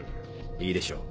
いいでしょう。